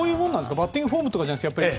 バッティングフォームとかじゃなくて。